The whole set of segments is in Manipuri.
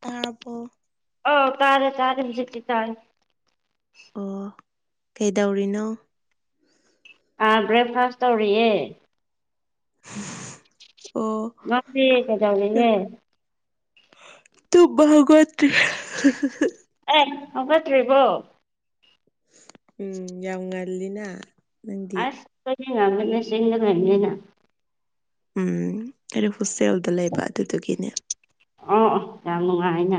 ꯇꯄꯣ ꯍ ꯇꯥꯔꯦ ꯇꯥꯔꯦꯁꯤ ꯇꯥꯔꯦ ꯑꯣ ꯀꯩꯗꯧꯔꯤꯅꯣ ꯑꯥ ꯕ꯭ꯔꯦꯛꯐꯥꯁ ꯇꯧꯔꯤꯌꯦ [inaudible] ꯑꯣ ꯅꯪꯗꯤ ꯀꯩꯗꯧꯔꯤꯒꯦ꯫ ꯇ ꯒ ꯇ ꯑꯦ ꯍꯧꯒꯠꯇ꯭ꯔꯤꯕꯣ ꯎꯝ ꯌꯥꯝ ꯉꯜꯂꯤꯅ ꯅꯪꯗꯤ ꯑꯁ ꯑꯩꯈꯣꯏꯗꯤ ꯉꯝꯕꯅꯦ ꯆꯤꯡꯗ ꯂꯩꯅꯤꯅ꯫ ꯎꯝ ꯑꯩ ꯍꯣꯁꯇꯦꯜꯗ ꯂꯩꯕ ꯑꯗꯨꯗꯨꯒꯤꯅꯦ ꯑꯣ ꯌꯥꯝ ꯅꯨꯡꯉꯥꯏꯅ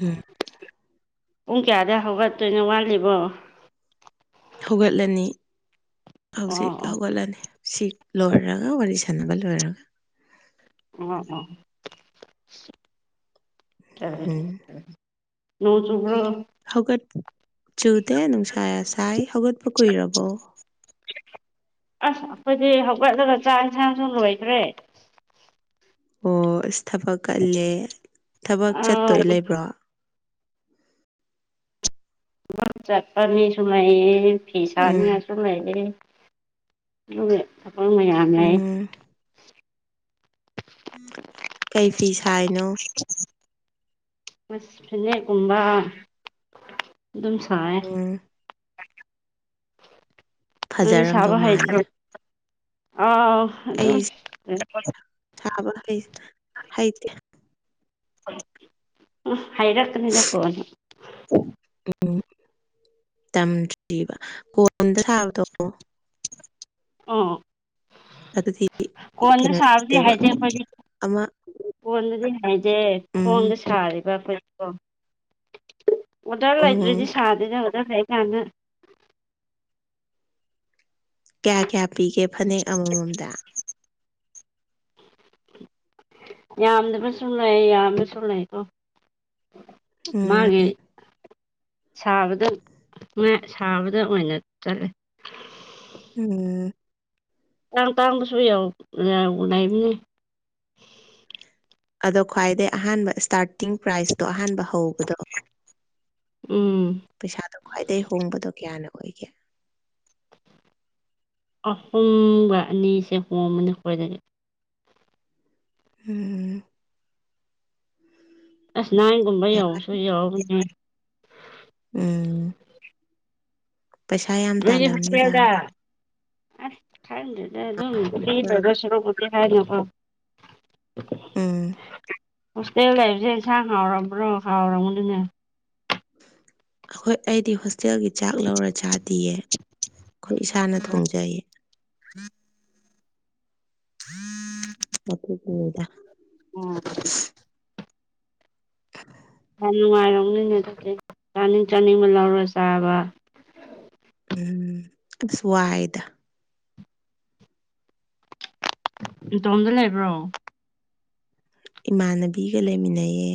ꯍꯝ ꯄꯨꯡ ꯀꯌꯥꯗꯩ ꯍꯧꯒꯠꯇꯣꯏꯅꯣ ꯋꯥꯠꯂꯤꯕꯣ ꯍꯧꯒꯠꯂꯅꯤ ꯑꯣ ꯍꯧꯖꯤꯛ ꯑꯣ ꯍꯧꯒꯠꯂꯅꯤ ꯁꯤ ꯂꯣꯏꯔꯒ ꯋꯥꯔꯤ ꯁꯥꯟꯅꯕ ꯂꯣꯏꯔꯒ ꯎꯝ ꯑ ꯎꯝ ꯅꯣꯡ ꯆꯨꯕꯔꯣ꯫ ꯍꯧꯒꯠ ꯆꯨꯗꯦ ꯅꯨꯡꯁꯥ ꯁꯥꯏ ꯍꯧꯒꯠꯄ ꯀꯨꯏꯔꯕꯣ꯫ ꯑꯁ ꯑꯩꯈꯣꯏꯗꯤ ꯍꯧꯒꯠꯂꯒ ꯆꯥꯛ ꯌꯦꯟꯁꯥꯡꯁꯨ ꯂꯣꯏꯈ꯭ꯔꯦ ꯑꯣ ꯑꯁ ꯊꯕꯛ ꯀꯜꯂꯦ ꯊꯕꯛ ꯑꯥ ꯆꯠꯇꯣꯏ ꯊꯕꯛ ꯂꯩꯕ꯭ꯔꯣ ꯊꯥꯕꯛ ꯆꯠꯄꯥ ꯃꯤꯁꯨ ꯂꯩꯌꯦ ꯐꯤ ꯎꯝ ꯁꯥꯅꯤꯉꯥꯏꯁꯨ ꯂꯩꯌꯦ꯫ ꯑꯗꯨꯒ ꯊꯕꯛ ꯃꯌꯥꯝ ꯂꯩ꯫ ꯎꯝ ꯀꯩ ꯐꯤ ꯁꯥꯏꯅꯣ ꯐꯅꯦꯛꯀꯨꯝꯕ ꯑꯗꯨꯝ ꯁꯥꯏ꯫ ꯎꯝ ꯅꯪꯅ ꯐꯖꯔꯝꯗꯧ ꯁꯥꯕ ꯃꯥꯜꯂꯦ ꯍꯥꯏꯗꯦ ꯑꯥꯎ ꯑꯗꯨꯝ ꯆꯕ ꯍꯥꯏꯗꯤ ꯍꯥꯏꯔꯀꯅꯤꯗꯔ ꯀꯅꯣ ꯎꯝ ꯇꯝꯗ꯭ꯔꯤꯕ ꯀꯣꯟꯝꯗ ꯊꯥꯕꯗꯣ ꯑꯣ ꯑꯗꯨꯗꯤ ꯀꯣꯟꯅ ꯀꯩꯅꯣ ꯁꯥꯕꯗꯤ ꯇꯧꯗꯦꯕ ꯍꯥꯏꯖꯦ ꯑꯩꯈꯣꯏꯒꯤ ꯑꯃ ꯀꯣꯟꯕꯗꯤ ꯍꯥꯏꯗꯦ ꯎꯝ ꯈꯣꯡꯗ ꯁꯥꯔꯤꯕ ꯑꯩꯈꯣꯏ ꯑꯣ ꯑꯣꯗꯔ ꯂꯩꯇ꯭ꯔꯗꯤ ꯎꯝ ꯁꯥꯗꯣꯏꯅꯦ ꯑꯣꯗꯔ ꯂꯩꯀꯥꯟꯗ ꯀꯌꯥ ꯀꯌꯥ ꯄꯤꯒꯦ ꯐꯅꯦꯛ ꯑꯃꯃꯝꯗ꯫ [inaudible] ꯌꯥꯝꯗꯕꯁꯨ ꯂꯩ ꯌꯥꯝꯕꯁꯨ ꯂꯩꯀꯣ ꯎꯝ ꯃꯥꯒꯤ꯫ ꯁꯥꯕꯗ ꯁꯥꯕꯗ ꯑꯣꯏꯅ ꯆꯠꯂꯦ꯫ ꯑ [unintelligible] ꯑꯥꯇꯥꯡ ꯑꯇꯥꯡꯕꯁꯨ ꯌꯥꯎ ꯂꯩꯕꯅꯤ꯫ ꯑꯗꯣ ꯈ꯭ꯋꯥꯏꯗꯩ ꯑꯍꯥꯟꯕ ꯏꯁꯇꯥꯔꯇꯤꯡ ꯄ꯭ꯔꯥꯏꯖꯇꯣ ꯑꯍꯥꯟꯕ ꯍꯧꯕꯗꯣ꯫ ꯎꯝ꯫ ꯄꯩꯁꯥꯗꯣ ꯈ꯭ꯋꯥꯏꯗꯒꯤ ꯍꯣꯡꯕꯗꯣ ꯀꯌꯥꯅ ꯑꯣꯏꯒꯦ꯫ ꯑꯍꯨꯝꯒ ꯑꯅꯤꯁꯦ ꯍꯣꯡꯝꯅꯤ ꯈꯣꯗꯗꯤ꯫ ꯎꯝ꯫ ꯑꯁ ꯅꯥꯏꯟ ꯒꯨꯝꯕ ꯌꯧꯕꯁꯨ ꯌꯧꯔꯝꯈꯤꯔꯣꯏ꯫ ꯎꯝ꯫ ꯄꯩꯁꯥ ꯌꯥꯝ ꯅꯣꯏꯗꯤ ꯇꯥꯜꯂꯝꯅꯤꯗ ꯍꯣꯁꯄꯦꯜꯗ꯫ ꯑ ꯈꯥꯏꯗꯦꯗ ꯑꯗꯨꯝ ꯃꯤꯅ ꯇꯧꯗꯣꯏ ꯁꯔꯣꯛꯄꯨ꯫ ꯍꯥꯏꯅꯀꯣ꯫ ꯎꯝ꯫ ꯍꯣꯁꯇꯦꯜ ꯂꯩꯕꯁꯦ ꯏꯟꯁꯥꯡ ꯍꯥꯎꯔꯝꯕ꯭ꯔꯣ ꯍꯥꯎꯔꯝꯒꯅꯤꯅꯦ꯫ ꯑꯩꯈꯣꯏ ꯑꯩꯗꯤ ꯍꯣꯁꯇꯦꯜꯒꯤ ꯆꯥꯛ ꯂꯧꯔ ꯆꯥꯗꯤꯌꯦ ꯑꯩꯈꯣꯏ ꯏꯁꯥꯅ ꯊꯣꯡꯖꯩ꯫ ꯍ [inaudible] ꯎꯝ [inaudible] ꯄꯀꯣ ꯀꯣꯡꯗ꯫ ꯎꯝ꯫ [inaudible] ꯌꯥꯝ ꯅꯨꯡꯉꯥꯏꯔꯝꯅꯤꯅꯦ ꯑꯗꯨ ꯆꯥꯅꯤꯡ ꯆꯥꯅꯤꯡꯕ ꯂꯧꯔ ꯆꯥꯕ꯫ ꯎꯝ ꯑꯁ ꯋꯥꯏꯗ꯫ ꯏꯇꯣꯝꯗ ꯂꯩꯕ꯭ꯔꯣ꯫ ꯏꯃꯥꯟꯅꯕꯤꯒ ꯂꯩꯃꯤꯟꯅꯩꯌꯦ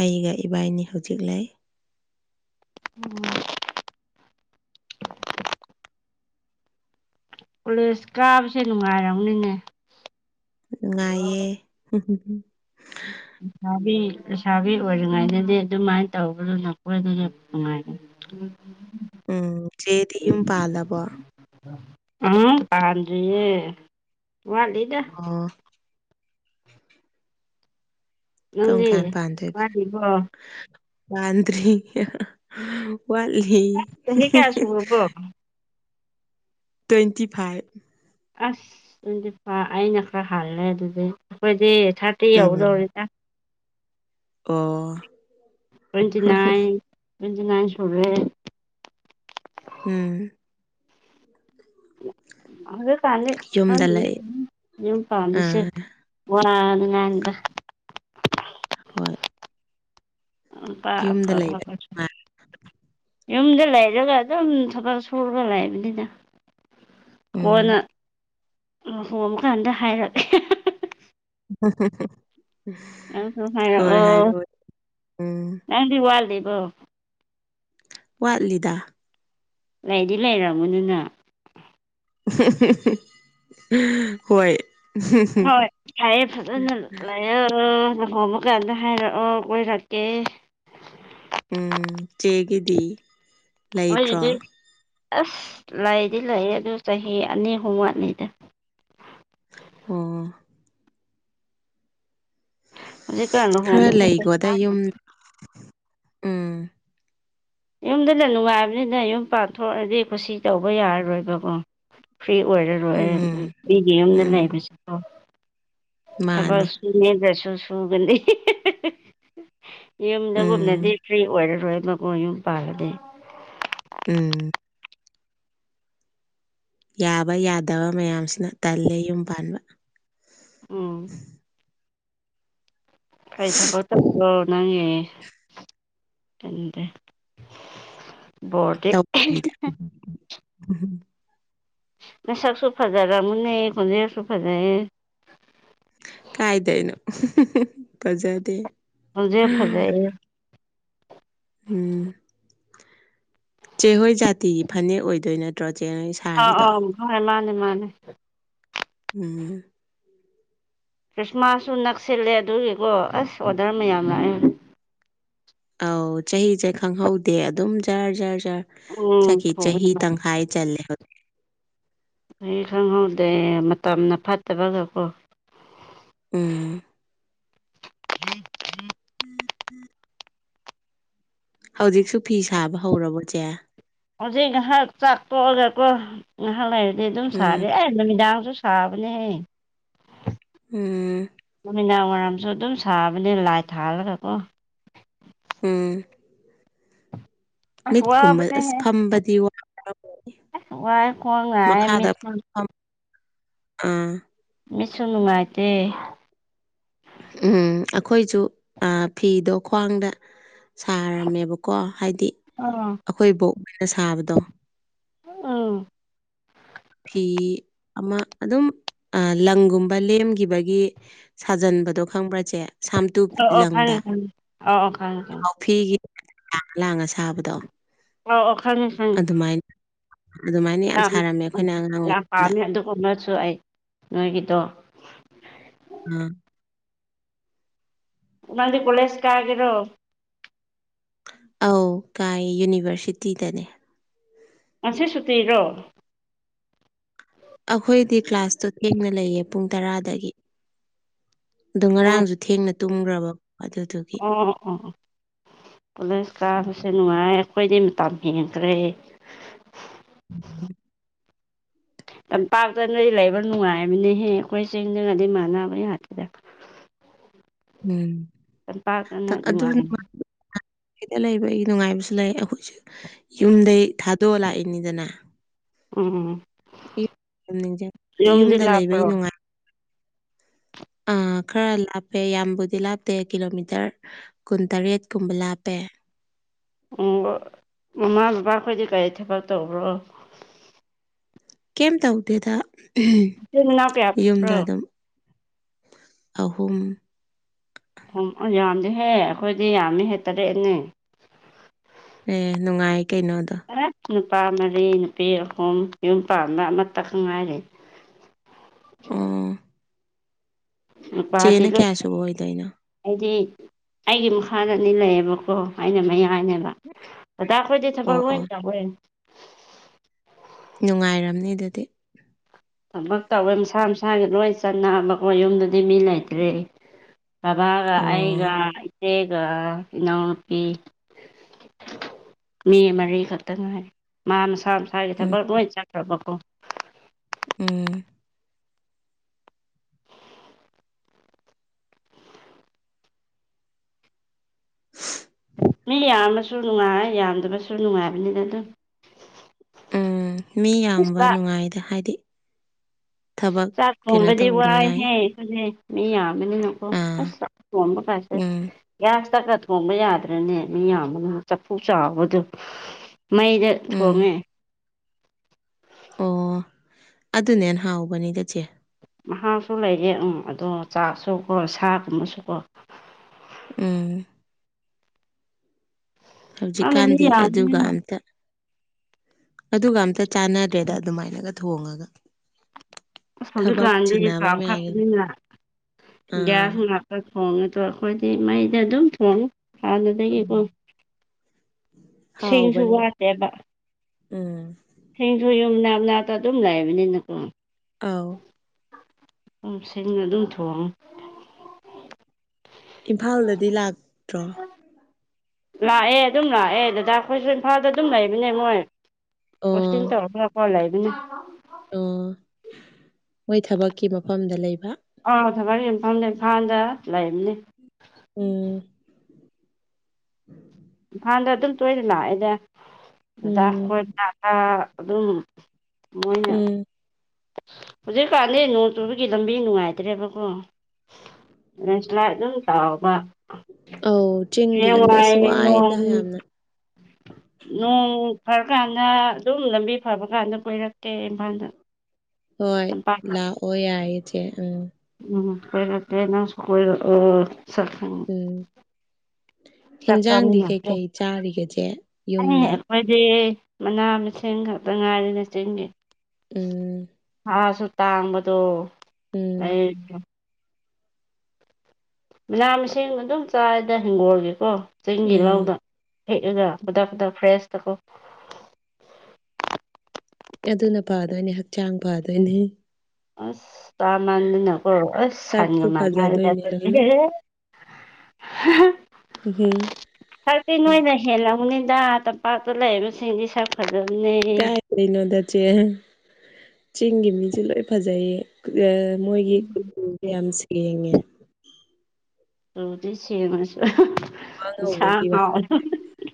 ꯑꯩꯒ ꯏꯕꯥꯟꯅꯤ ꯍꯧꯖꯤꯛ ꯂꯩ꯫ ꯎꯝ꯫ ꯀꯣꯂꯦꯖ ꯀꯥꯕꯁꯦ ꯅꯨꯡꯉꯥꯏꯔꯝꯅꯤꯅꯦ꯫ ꯅꯨꯡꯉꯥꯏꯌꯦ꯫ ꯂꯩꯁꯥꯕꯤ ꯂꯩꯁꯥꯕꯤ ꯑꯣꯏꯔꯤꯉꯩꯗꯗꯤ ꯑꯗꯨꯃꯥꯏꯅ ꯇꯧꯕꯗꯨ ꯅꯈꯣꯏ ꯑꯗꯨ ꯌꯥꯝ ꯅꯨꯡꯉꯥꯏꯕꯅꯤ꯫ ꯎꯝ꯫ ꯎꯝ ꯆꯦꯗꯤ ꯌꯨꯝ ꯄꯥꯜꯂꯕꯣ꯫ ꯎꯝ ꯄꯥꯟꯗꯔꯤꯌꯦ ꯋꯥꯂꯤꯗ꯫ ꯑꯣ꯫ ꯀꯔꯝ ꯅꯪꯗꯤ ꯀꯥꯟ ꯄꯥꯟꯗꯣꯏꯕ ꯋꯥꯠꯂꯤꯕꯣ ꯄꯥꯟꯗ꯭ꯔꯤ꯫ ꯋꯥꯠꯂꯤ꯫ ꯆꯍꯤ ꯀꯌꯥ ꯁꯨꯔꯕꯣ ꯇ꯭ꯋꯦꯟꯇꯤ ꯐꯥꯏꯚ꯫ ꯑꯁ ꯇ꯭ꯋꯦꯟꯇꯤ ꯐꯥꯏꯚ ꯑꯩꯅ ꯈꯔ ꯍꯜꯂꯦ ꯑꯗꯨꯗꯤ ꯑꯩꯈꯣꯏꯗꯤ ꯊꯥꯔꯇꯤ ꯎꯝ ꯌꯧꯒꯗꯧꯔꯦꯗ꯫ ꯑꯣ꯫ ꯇ꯭ꯋꯦꯟꯇꯤ ꯅꯥꯏꯟ ꯇ꯭ꯋꯦꯟꯇꯤ ꯅꯥꯏꯟ ꯁꯨꯔꯦꯍꯦ꯫ ꯎꯝ꯫ ꯍꯧꯖꯤꯛ ꯀꯥꯟꯗꯤ ꯌꯨꯝꯗ ꯂꯩ [unintelligible] ꯌꯨꯝ ꯄꯥꯟꯕꯁꯦ꯫ ꯑꯥ ꯋꯥ ꯑꯗꯨꯉꯥꯡꯅꯨꯗ꯫ ꯍꯣꯏ꯫ ꯅꯨꯄꯥ ꯌꯨꯝꯗ ꯑꯐꯕꯥ꯫ ꯂꯩꯕ ꯅꯨꯡꯉꯥꯏ ꯌꯨꯝꯗ ꯂꯩꯔꯒ ꯑꯗꯨꯝ ꯊꯕꯛ ꯁꯨꯔꯒ ꯂꯩꯕꯅꯤꯗ꯫ [inaudible] ꯀꯣꯟꯅ ꯂꯨꯍꯣꯡꯕ ꯀꯥꯟꯗ ꯍꯥꯏꯔꯀꯦ꯫ ꯅꯪꯁꯨ ꯍꯣꯏ ꯍꯥꯏꯔꯛꯑꯣ ꯍꯥꯏꯔꯑꯣ ꯎꯝ ꯅꯪꯗꯤ ꯋꯥꯇꯂꯤꯕꯣ ꯋꯥꯠꯂꯤꯗ ꯂꯩꯗꯤ ꯂꯩꯔꯝꯒꯅꯤꯅ ꯍꯣꯏ ꯍꯣꯏ ꯍꯥꯏꯌꯦ ꯐꯖꯅ ꯂꯩ ꯍ ꯑꯣ ꯂꯍꯣꯡꯕ ꯀꯥꯟꯗ ꯍꯥꯏꯔꯛꯑꯣ ꯀꯣꯏꯔꯛꯀꯦ꯫ ꯎꯝ ꯆꯒꯤꯗꯤ ꯃꯣꯏ ꯑꯗꯨ ꯑꯁ ꯂꯩꯗꯤ ꯂꯩ ꯑꯗꯨ ꯆꯍꯤ ꯑꯅꯤ ꯑꯍꯨꯝ ꯋꯥꯠꯅꯤꯗ ꯑꯣ ꯑꯣ ꯍꯧꯖꯤꯛꯀꯥꯟ ꯈꯔ ꯂꯨꯍꯣꯡꯕꯁꯨ ꯂꯩꯀꯣ ꯑꯗ ꯄꯩꯁꯥ ꯌꯨꯝ ꯎꯝ ꯌꯨꯝꯗꯨꯅ ꯅꯨꯡꯉꯥꯏꯕꯅꯤꯗ ꯌꯨꯝ ꯄꯥꯟꯊꯣꯛꯑꯗꯤ ꯀꯠꯁꯤ ꯇꯧꯕ ꯌꯥꯔꯔꯣꯏꯑꯕꯀꯣ ꯐ꯭ꯔꯤ ꯑꯣꯏꯔꯔꯣꯏ ꯎꯝ ꯃꯤꯒꯤ ꯌꯨꯝꯗ ꯎꯝ ꯂꯩꯕꯁꯤ꯫ ꯊꯕꯛ ꯃꯥꯅꯦ ꯁꯨꯅꯤꯗ꯭ꯔꯁꯨ ꯁꯨꯒꯅꯤ꯫ ꯌꯨꯝꯗꯒꯨꯝꯅꯗꯤ ꯎꯝ ꯐ꯭ꯔꯤ ꯑꯣꯏꯔꯔꯣꯏꯕꯀꯣ ꯌꯨꯝ ꯄꯥꯜꯂꯗꯤ꯫ ꯎꯝ ꯌꯥꯕ ꯌꯥꯗꯕ ꯃꯌꯥꯝꯁꯤꯅ ꯇꯜꯂꯦ ꯌꯨꯝ ꯄꯥꯟꯕ ꯎꯝ ꯀꯔꯤ ꯊꯕꯛ ꯇꯧꯕꯣ ꯅꯪꯒꯤ ꯀꯟꯗꯦ ꯇꯧꯕꯤꯗꯦ ꯅꯁꯛꯁꯨ ꯐꯖꯔꯝꯒꯅꯤ ꯈꯣꯟꯖꯦꯜꯁꯨ ꯐꯖꯩ꯫ ꯀꯥꯏꯗꯩꯅꯣ ꯐꯖꯗꯦ꯫ ꯈꯣꯟꯖꯦꯜ ꯐꯖꯩꯌꯦ꯫ ꯎꯝ ꯆꯦꯍꯣꯏ ꯖꯥꯇꯤꯒꯤ ꯐꯅꯦꯛ ꯑꯣꯏꯗꯣꯏ ꯅꯠꯇ꯭ꯔꯣ ꯆꯦ ꯅꯪꯒꯤꯁꯦ ꯑꯣ ꯑꯣ ꯃꯥꯅꯦ ꯃꯥꯅꯦ ꯃꯥꯅꯦ꯫ ꯎꯝ ꯈ꯭ꯔꯤꯁꯃꯥꯁꯁꯨ ꯅꯛꯁꯤꯜꯂꯦ ꯑꯗꯨꯒꯤꯀꯣ ꯑꯁ ꯑꯣꯗꯔ ꯃꯌꯥꯝ ꯂꯥꯛꯑꯦ꯫ ꯑꯧ ꯆꯍꯤꯁꯦ ꯈꯪꯍꯧꯗꯦ ꯑꯗꯨꯝ ꯖꯥꯔ ꯖꯔ ꯖꯥꯔ ꯎꯝ ꯆꯈꯆꯍꯤ ꯊꯣꯡꯅꯕ ꯇꯪꯈ ꯆꯜꯂꯦꯕ꯫ ꯑꯩ ꯈꯪꯍꯧꯗ꯭ꯔꯦ ꯃꯇꯝꯅ ꯐꯠꯇꯕꯒ ꯀꯣ ꯎꯝ [inaudible] [inaudible] ꯍꯧꯖꯤꯛꯁꯨ ꯐꯤ ꯁꯥꯕ ꯍꯧꯔꯕꯣ ꯆꯦ ꯍꯧꯖꯤꯛ ꯉꯥꯏꯍꯥꯛ ꯆꯥꯛ ꯇꯣꯛꯑꯒꯀꯣ ꯉꯥꯏꯍꯥꯛ ꯂꯩꯔꯗꯤ ꯑꯗꯨꯝ ꯎꯝ ꯁꯥꯔꯦ ꯑꯩ ꯅꯨꯃꯤꯗꯥꯡꯁꯨ ꯁꯥꯕꯅꯦꯍꯦ ꯎꯝ ꯅꯨꯃꯤꯗꯥꯡ ꯋꯥꯏꯔꯝꯁꯨ ꯑꯗꯨꯝ ꯁꯥꯕꯅꯦ ꯂꯥꯏꯠ ꯊꯥꯜꯂꯒ ꯀꯣ ꯎꯝ ꯑꯁ ꯃꯤꯠꯀꯨꯝꯕꯗ ꯑꯁ ꯋꯥꯕꯅꯦꯍꯦ ꯐꯝꯕꯗꯤ ꯋꯥꯕ ꯋꯥꯏ ꯈꯣꯡ ꯅꯥꯏ ꯃꯈꯥꯗ ꯃꯤꯠꯁꯨ ꯎꯝ ꯃꯤꯠꯁꯨ ꯅꯨꯡꯉꯥꯏꯇꯦ꯫ ꯎꯝ ꯑꯩꯈꯣꯏꯁꯨ ꯐꯤꯗꯣ ꯈ꯭ꯋꯥꯡꯗ ꯁꯥꯔꯝꯃꯦꯕꯀꯣ ꯍꯥꯏꯗꯤ ꯑꯣ ꯑꯩꯈꯣꯏ ꯕꯣꯛ ꯍꯣꯏꯅ ꯁꯥꯕꯗꯣ ꯎꯝ ꯐꯤ ꯑꯃ ꯑꯗꯨꯝ ꯂꯪꯒꯨꯝꯕ ꯂꯦꯝꯈꯤꯕꯒꯤ ꯁꯥꯖꯟꯕꯗꯣ ꯈꯪꯕ꯭ꯔ ꯆꯦ ꯁꯥꯝꯇꯨ ꯑꯣ ꯑꯣ ꯂꯪꯗ ꯈꯪꯉꯦ ꯈꯪꯉꯦ ꯑꯣ ꯑꯣ ꯈꯪꯉꯦ ꯈꯪꯉꯦ ꯐꯤꯒꯤ ꯂꯥꯡꯉ ꯂꯥꯡꯉ ꯁꯥꯕꯗꯣ ꯑ ꯑꯣ ꯈꯪꯉꯦ꯫ ꯈꯪꯉꯦ ꯑꯗꯨꯃꯥꯏꯅ ꯑꯗꯨꯃꯥꯏꯅ ꯌꯥꯝ ꯁꯥꯅꯝꯅꯦ ꯎꯝ ꯑꯩꯈꯣꯏꯅ ꯑꯉꯥꯡ ꯑꯣꯏ ꯌꯥꯝ ꯄꯥꯝꯃꯦ ꯑꯗꯨꯒꯨꯝꯕꯁꯨ ꯑꯩ ꯅꯣꯏꯒꯤꯗꯣ ꯎꯝ ꯅꯗꯤ ꯀꯣꯂꯦꯁ ꯀꯒꯦꯔꯣ ꯑꯧ ꯀꯥꯏ ꯌꯨꯅꯤꯚꯔꯁꯤꯇꯤꯗꯅꯦ ꯉꯁꯤ ꯁꯨꯇꯤꯔꯣ ꯑꯩꯈꯣꯏꯗꯤ ꯀ꯭ꯂꯥꯁꯇꯣ ꯊꯦꯡꯅ ꯂꯩꯌꯦ ꯄꯨꯡ ꯇꯔꯥꯗꯒꯤ ꯑꯗꯣ ꯉꯔꯥꯡꯁꯨ ꯊꯦꯡꯅ ꯇꯨꯝꯈ꯭ꯔꯕ ꯑꯗꯨ ꯎꯝ ꯎꯝ ꯎꯝ ꯀꯣꯂꯦꯖ ꯀꯥꯕꯁꯦ ꯅꯨꯡꯉꯥꯏꯌꯦ ꯈꯣꯏꯗꯤ ꯃꯇꯝ ꯍꯦꯟꯈ꯭ꯔꯦ [inaudible] ꯇꯝꯄꯥꯛꯇ ꯅꯣꯏ ꯂꯩꯕ ꯅꯨꯡꯉꯥꯏꯕꯅꯤꯍꯦ ꯑꯩꯈꯣꯏ ꯆꯤꯡꯗꯉꯗꯤ ꯃꯥꯟꯅꯕ ꯉꯥꯛꯇꯦꯗ ꯎꯝ ꯇꯝꯄꯥꯛꯇꯅ ꯇꯛ ꯑꯗꯨ ꯅꯨꯡꯉꯥꯏ [unintelligible] ꯁꯤꯗ ꯂꯩꯕꯒꯤ ꯅꯨꯡꯉꯥꯏꯕꯁꯨ ꯂꯩ ꯑꯩꯈꯣꯏꯁꯨ ꯌꯨꯝꯗꯒꯤ ꯊꯥꯗꯣꯛꯑ ꯂꯥꯛꯏꯅꯤꯗꯅ ꯎꯝ ꯎꯝ [unintelligible] ꯌꯨꯝꯗꯤ ꯌꯨꯝꯗ ꯂꯩꯕꯩ ꯂꯥꯞꯄ꯭ꯔꯣ ꯅꯨꯡꯉꯥꯏ ꯑꯥ ꯈꯔ ꯂꯥꯞꯄꯦ ꯌꯥꯝꯕꯨꯗꯤ ꯂꯥꯞꯇꯦ ꯀꯤꯂꯣꯃꯤꯇꯔ ꯀꯨꯟꯇꯔꯦꯠ ꯀꯨꯝꯕ ꯂꯥꯞꯄꯦ ꯎꯝ ꯃꯃꯥ ꯕꯕꯥꯈꯣꯏꯗꯤ ꯀꯔꯤ ꯊꯕꯛ ꯇꯧꯕ꯭ꯔꯣ ꯀꯦꯝ ꯇꯧꯗꯦꯗ ꯏꯆꯤꯟ ꯏꯅꯥꯎ ꯀꯌꯥ ꯌꯨꯝꯗ ꯄ꯭ꯔꯣ ꯑꯗꯨꯝ ꯑꯍꯨꯝ ꯌꯥꯝꯗꯦꯍꯦ ꯑꯩꯈꯣꯏꯗꯤ ꯌꯥꯝꯃꯦꯍꯦ ꯇꯔꯦꯠꯅꯦ ꯑꯦ ꯅꯨꯡꯉꯥꯏ ꯀꯩꯅꯣ ꯑꯗꯣ [unintelligible] ꯅꯨꯄꯥ ꯃꯔꯤ ꯅꯨꯄꯤ ꯑꯍꯨꯝ ꯌꯨꯝꯄꯥꯟꯕ ꯑꯃꯠꯇꯥ ꯈꯛ ꯉꯥꯏꯔꯤ ꯎꯝ ꯅꯨꯄꯥꯗꯤ [unintelligible] ꯀꯌꯥ ꯁꯨꯕ ꯑꯣꯏꯗꯣꯏꯅꯣ ꯑꯩꯗꯤ ꯑꯩꯒꯤ ꯃꯈꯥꯗ ꯑꯅꯤ ꯂꯩꯌꯦꯕꯀꯣ ꯑꯩꯅ ꯃꯌꯥꯏꯅꯦꯕ ꯗꯗꯥ ꯈꯣꯏꯗꯤ ꯊꯕꯛ ꯑꯣ ꯂꯣꯏꯏ ꯑꯣ ꯇꯧꯔꯦ ꯅꯨꯡꯉꯥꯏꯔꯝꯅꯤ ꯑꯗꯨꯗꯤ ꯊꯕꯛ ꯇꯧꯋꯦ ꯃꯁꯥ ꯃꯁꯥꯒꯤ ꯂꯣꯏ ꯆꯠꯅꯕꯀꯣ ꯌꯨꯝꯗꯗꯤ ꯃꯤ ꯂꯩꯇ꯭ꯔꯦ ꯕꯕꯥꯒ ꯑꯣ ꯑꯩꯒ ꯏꯆꯦꯒ ꯏꯅꯥꯎꯅꯨꯄꯤ ꯃꯤ ꯃꯔꯤ ꯈꯛꯇ ꯉꯥꯏꯔꯦ ꯃꯥ ꯃꯁꯥ ꯃꯁꯥꯒꯤ ꯎꯝ ꯊꯕꯛ ꯂꯣꯏ ꯆꯠꯈ꯭ꯔꯕꯀꯣ ꯎꯝ ꯃꯤ ꯌꯥꯝꯃꯁꯨ ꯅꯨꯡꯉꯥꯏ ꯌꯥꯝꯗꯕꯁꯨ ꯅꯨꯡꯉꯥꯏꯕꯅꯤꯅꯗ ꯑꯗꯨꯝ ꯎꯝ ꯃꯤ ꯏꯁ ꯌꯥꯝꯕ ꯆꯥꯛ ꯅꯨꯡꯉꯥꯏꯗꯥ ꯍꯥꯏꯗꯤ ꯊꯕꯛ ꯆꯥꯛ ꯀꯩꯅꯣ ꯊꯣꯡꯕꯗꯤ ꯇꯧꯅꯤꯡꯉꯥꯏ ꯋꯥꯏꯍꯦ ꯑꯈꯣꯏꯗꯤ ꯃꯤ ꯌꯥꯝꯕꯅꯤꯅꯀꯣ ꯑꯁ ꯑꯥ ꯆꯥꯛ ꯊꯣꯡꯕ ꯀꯥꯏꯁꯦ ꯎꯝ ꯒ꯭ꯌꯥꯁ- ꯇꯒ ꯊꯣꯡꯕ ꯌꯥꯗ꯭ꯔꯅꯦ ꯃꯤ ꯌꯥꯝꯕꯅ ꯆꯐꯨ ꯆꯥꯎꯕꯗꯨ ꯃꯩꯗ ꯎꯝ ꯊꯣꯡꯉꯦ ꯑꯣ ꯑꯗꯨꯅ ꯍꯦꯟꯅ ꯍꯥꯎꯕꯅꯤꯗ ꯆꯦ ꯃꯍꯥꯎꯁꯨ ꯂꯩꯔꯦ ꯎꯝ ꯑꯗꯣ ꯆꯥꯛꯁꯨ ꯀꯣ ꯁꯥꯒꯨꯝꯕꯁꯨ ꯀꯣ ꯎꯝ ꯈꯪꯗꯦ ꯃꯤ ꯍꯧꯖꯤꯛꯀꯥꯟꯗꯤ ꯑꯗꯨꯒ ꯌꯥꯝꯕꯅꯤꯅ ꯑꯝꯇ ꯑꯗꯨꯒ ꯑꯝꯇ ꯆꯥꯟꯅꯗ꯭ꯔꯦꯗ ꯑꯗꯨꯃꯥꯏꯅꯒ ꯊꯣꯡꯉꯒ ꯑꯁ ꯊꯕꯛ ꯍꯧꯖꯤꯛꯀꯥꯟꯗꯤ ꯆꯤꯟꯅꯕ ꯀꯥꯞ ꯃꯌꯥꯝꯒꯤꯅ ꯈꯠꯄꯅꯤꯅ ꯑꯥ ꯒ꯭ꯌꯥꯁ ꯉꯥ ꯊꯣꯡꯉꯦꯗꯣ ꯑꯩꯈꯣꯏꯗꯤ ꯃꯩꯗ ꯑꯗꯨꯝ ꯊꯣꯡꯉꯤ ꯑꯗꯨꯗꯒꯤꯀꯣ ꯎꯝ ꯁꯤꯡꯁꯨ ꯍꯥꯎꯕꯅꯦ ꯋꯥꯠꯇꯦꯕ ꯎꯝ ꯁꯤꯡꯁꯨ ꯌꯨꯝ ꯅꯥꯞ ꯅꯥꯞꯇ ꯑꯗꯨꯝ ꯂꯩꯕꯅꯤꯅꯀꯣ ꯑꯧ ꯎꯝ ꯁꯤꯡꯅ ꯑꯗꯨꯝ ꯊꯣꯡꯉꯦ ꯏꯝꯐꯥꯜꯗꯗꯤ ꯂꯥꯛꯇ꯭ꯔꯣ ꯂꯥꯛꯑꯦ ꯑꯗꯨꯝ ꯂꯥꯛꯑꯦ ꯗꯗꯥ ꯈꯣꯏꯁꯨ ꯏꯝꯐꯥꯜꯗ ꯑꯗꯨꯝ ꯂꯩꯕꯅꯦ ꯃꯣꯏ ꯄꯣꯁꯇꯤꯡ ꯑꯣ ꯇꯧꯔꯛꯄꯒꯀꯣ ꯂꯩꯕꯅꯤ ꯑꯣ ꯃꯣꯏ ꯊꯕꯛꯀꯤ ꯃꯐꯝꯗ ꯂꯩꯕ ꯑꯥ ꯊꯕꯛ ꯃꯐꯝꯗ ꯏꯝꯐꯥꯜꯗ ꯂꯩꯕꯅꯦ ꯎꯝ ꯏꯝꯐꯥꯜꯗ ꯑꯗꯨꯝ ꯇꯣꯏꯅ ꯂꯥꯛꯑꯦꯗ ꯑꯗꯨꯗ ꯎꯝ ꯑꯩꯈꯣꯏ ꯑꯗꯨꯝ ꯃꯣꯏꯅ ꯎꯝ ꯍꯧꯖꯤꯛꯀꯥꯟꯗꯤ ꯅꯣꯡ ꯆꯨꯕꯒꯤ ꯂꯝꯕꯤ ꯅꯨꯡꯉꯥꯏꯇ꯭ꯔꯦꯕꯀꯣ ꯂꯦꯟꯏꯁꯂꯥꯏꯇ ꯑꯗꯨꯝ ꯇꯧꯕ ꯑꯧ ꯆꯤꯡꯒꯤ ꯂꯝꯕꯤ ꯍꯌꯦꯡꯋꯥꯏ ꯑꯁ ꯋꯥꯏꯗ ꯅꯣꯡ ꯌꯥꯝꯅ ꯅꯣꯡ ꯐꯔꯀꯥꯟꯗ ꯑꯗꯨꯝ ꯂꯝꯕꯤ ꯐꯕ ꯀꯥꯟꯗ ꯀꯣꯏꯔꯛꯇꯀꯦ ꯏꯝꯐꯥꯜꯗ ꯍꯣꯏ ꯇꯝꯄꯥꯛꯇ ꯂꯥꯛꯑꯣ ꯌꯥꯏ ꯏꯆꯦ ꯎꯝ ꯎꯝ ꯀꯣꯏꯔꯛꯀꯦ ꯅꯪꯁꯨ ꯀꯣꯏꯔꯛꯑꯣ ꯁꯛ ꯈꯪ ꯎꯝ ꯍꯦꯟꯖꯥꯡꯗꯤ ꯆꯥꯃꯤꯟꯅꯁꯦ ꯀꯩꯀꯩ ꯆꯥꯔꯤꯒꯦ ꯆꯦ ꯌꯨꯝꯗ ꯈꯣꯏꯗꯤ ꯃꯅꯥ ꯃꯁꯤꯡ ꯈꯛꯇ ꯉꯥꯏꯔꯤꯅꯦ ꯆꯤꯡꯒꯤ ꯎꯝ ꯑꯥꯁꯨ ꯇꯥꯡꯕꯗꯣ ꯎꯝ ꯂꯩ ꯃꯅꯥ ꯃꯁꯤꯡ ꯑꯗꯨꯝ ꯆꯥꯏꯗ ꯍꯤꯡꯒꯣꯜꯒꯤꯀꯣ ꯆꯤꯡꯒꯤ ꯎꯝ ꯂꯧꯗ ꯍꯦꯛꯑꯒ ꯈꯨꯗꯛ ꯈꯨꯗꯛ ꯐ꯭ꯔꯦꯁꯇꯀꯣ ꯑꯗꯨꯅ ꯐꯗꯣꯏꯅꯤ ꯍꯛꯆꯥꯡ ꯐꯗꯣꯏꯅꯤ ꯑꯁ ꯇꯥꯃꯥꯟꯗꯅ ꯀꯣ ꯍꯁ ꯁꯥꯟꯒ ꯆꯥꯛꯁꯨ ꯃꯥꯅꯔꯦꯗ ꯐꯖꯗꯣꯏꯅꯦ ꯂꯣꯏꯅ ꯎꯝ [unintelligible] [unintelligible] ꯅꯣꯏꯅ ꯍꯦꯜꯂꯝꯒꯅꯤꯗ ꯇꯝꯄꯥꯛꯇ ꯂꯩꯕꯁꯤꯡꯗꯤ ꯁꯛ ꯐꯖꯕꯅꯤ ꯀꯩꯅꯣꯗ ꯆꯦ ꯆꯤꯡꯒꯤ ꯃꯤꯁꯨ ꯂꯣꯏ ꯐꯖꯩꯌꯦ ꯃꯣꯏꯒꯤ ꯀꯨꯆꯨꯁꯦ ꯌꯥꯝ ꯁꯦꯡꯉꯦ [unintelligible] ꯁꯦꯡꯉꯁꯨ ꯋꯥ ꯏꯁꯥ ꯉꯧꯕꯒꯤ ꯋꯥ [unintelligible]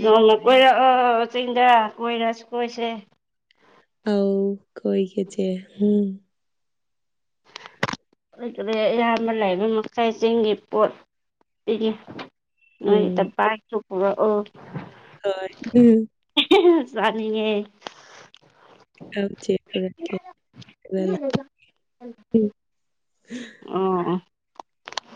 ꯅꯣꯡꯃ ꯀꯣꯏꯔꯛꯑꯣ ꯆꯤꯡꯗ ꯀꯣꯏꯔꯁꯨ ꯀꯣꯏꯁꯦ ꯑꯥꯎ ꯀꯣꯏꯑꯦ ꯆꯦ [unintelligible] ꯑꯌꯥꯝꯕ ꯂꯩꯕ ꯃꯈꯥꯏ ꯆꯤꯡꯒꯤ ꯄꯣꯠ ꯄꯤꯒꯦ ꯅꯣꯏ ꯎꯝ [unintelligible] ꯑꯣ ꯍꯣꯏ ꯎꯝ [unintelligible] ꯆꯥꯅꯤꯡꯉꯦ ꯑꯧ ꯆꯦ ꯄꯨꯔꯛꯀꯦ ꯑꯗꯨ [unintelligible] ꯑꯣ ꯑꯣ